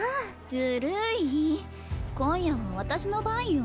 ずるい今夜は私の番よ。